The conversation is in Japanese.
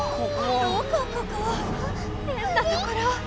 どこここ⁉へんなところ。